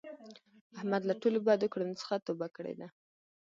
احمد له ټولو بدو کړونو څخه توبه کړې ده.